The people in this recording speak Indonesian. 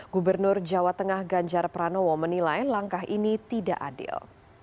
gubernur jawa tengah ganjar pranowo menilai langkah ini tidak adil